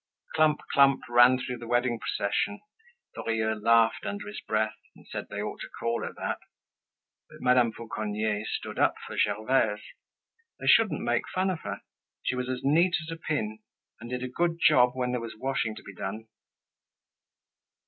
"Clump clump" ran through the wedding procession. Lorilleux laughed under his breath, and said they ought to call her that, but Madame Fauconnier stood up for Gervaise. They shouldn't make fun of her; she was neat as a pin and did a good job when there was washing to be done.